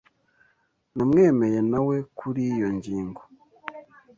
Namwemeye nawe kuri iyo ngingo.